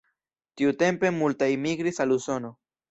Tiutempe multaj migris al Usono.